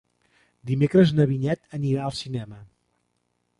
Dimecres na Vinyet anirà al cinema.